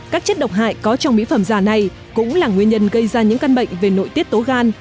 các chất độc hại có trong mỹ phẩm giả này cũng là nguyên nhân gây ra những căn bệnh về nội tiết tố gan